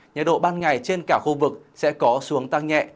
nhiệt độ ban ngày trên cả khu vực sẽ có xuống tăng nhẹ